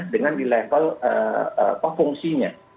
dengan di level fungsinya